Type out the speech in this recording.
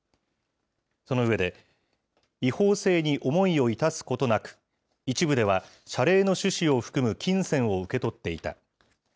その上で、違法性に思いを致すことなく、一部では謝礼の趣旨を含む金銭を受け取っていた。